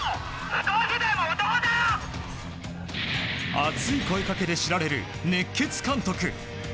熱い声掛けで知られる熱血監督。